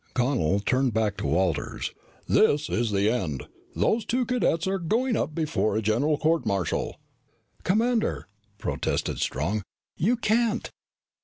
Connel turned back to Walters. "This is the end! Those two cadets are going up before a general court martial." "Commander," protested Strong, "you can't